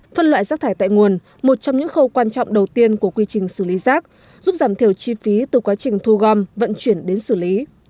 phân loại rác thải tại nguồn một trong những khâu quan trọng đầu tiên của quy trình xử lý rác giúp giảm thiểu chi phí từ quá trình thu gom vận chuyển đến xử lý